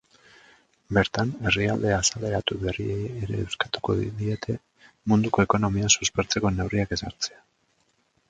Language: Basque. Bertan, herrialde azaleratu berriei ere eskatuko diete munduko ekonomia suspertzeko neurriak ezartzea.